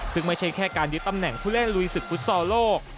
ซึ่งไม่ใช่แค่การยึดตำแหน่งผู้เล่นลุยศึกฟุตซอลโลก